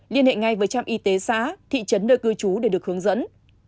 liên hệ ngay với trạm y tế xã thị trấn nơi cư trú để được hướng dẫn